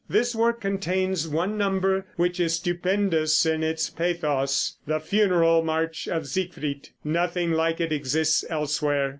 This work contains one number which is stupendous in its pathos, "The Funeral March of Siegfried." Nothing like it exists elsewhere.